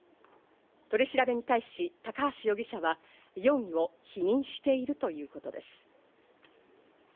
取り調べに対し、高橋容疑者は、容疑を否認しているということです。